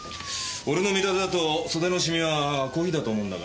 俺の見立てだと袖のシミはコーヒーだと思うんだが。